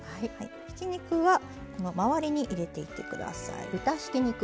ひき肉はこの周りに入れていって下さい。